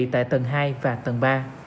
tại tầng hai và tầng ba